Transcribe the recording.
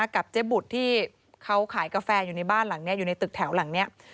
กับเจ๊บุตรที่เขาขายกาแฟอยู่ในบ้านหลังนี้อยู่ในตึกแถวหลังนี้